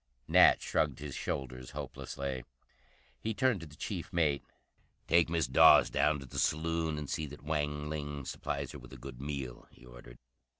Nat shrugged his shoulders hopelessly. He turned to the chief mate. "Take Miss Dawes down to the saloon and see that Wang Ling supplies her with a good meal," he ordered.